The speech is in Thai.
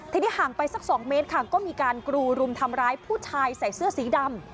ทีนี้ห่างไปสัก๒เมตรค่ะก็มีการกรูรุมทำร้ายผู้ชายใส่เสื้อสีดำ